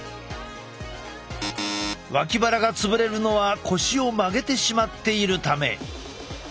脇腹が潰れるのは腰を曲げてしまっているため。